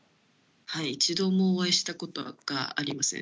はい一度もお会いしたことがありません。